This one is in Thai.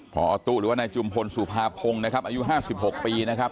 พอตู้หรือว่านายจุมพลสุภาพงนะครับอายุ๕๖ปีนะครับ